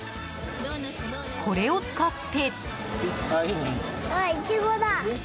これを使って。